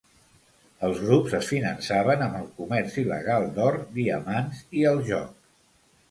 Els grups es finançaven amb el comerç il·legal d'or, diamants i el joc.